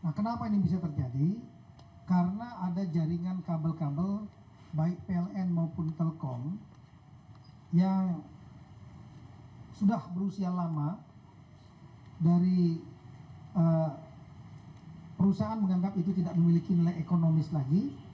nah kenapa ini bisa terjadi karena ada jaringan kabel kabel baik pln maupun telkom yang sudah berusia lama dari perusahaan menganggap itu tidak memiliki nilai ekonomis lagi